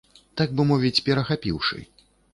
Так бы мовіць, перахапіўшы.